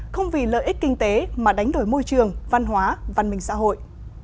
không vì lợi ích kinh tế mà đánh đổi môi trường văn hóa văn minh xã hội